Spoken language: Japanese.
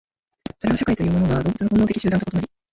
それは社会というものが動物の本能的集団と異なり、